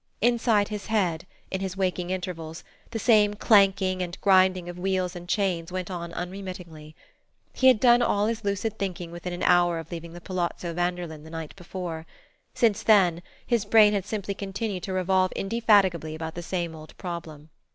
Inside his head, in his waking intervals, the same clanking and grinding of wheels and chains went on unremittingly. He had done all his lucid thinking within an hour of leaving the Palazzo Vanderlyn the night before; since then, his brain had simply continued to revolve indefatigably about the same old problem.